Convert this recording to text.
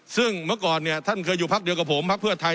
ซึ่งเมื่อก่อนเนี่ยท่านเคยอยู่พักเดียวกับผมพักเพื่อไทย